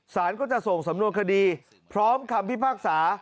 สารก็จะส่งสำนวนคดีพร้อมคำพิพากษา